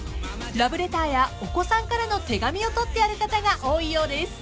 ［ラブレターやお子さんからの手紙を取ってある方が多いようです］